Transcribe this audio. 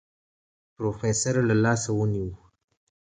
پروفيسر له لاسه ونيو.